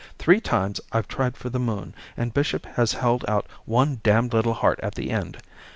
Three times I've tried for the moon and Bishop has held out one damned little heart at the end.